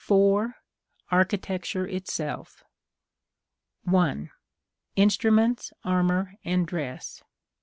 Architecture itself. 1. Instruments, armor, and dress.